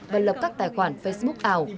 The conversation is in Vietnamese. và lập các tài khoản facebook ảo